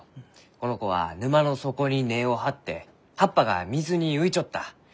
この子は沼の底に根を張って葉っぱが水に浮いちょった。